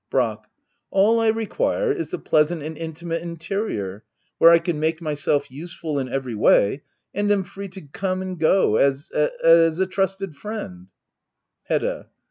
Brack. All I require is a pleasant and intimate interior^ where I can make myself useful in every way^ and am free to come and go as — as a trusted friend Hedda.